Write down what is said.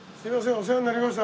お世話になりました。